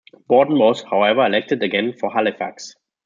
Borden was however elected again for Halifax.